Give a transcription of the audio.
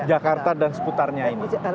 jakarta dan seputarnya ini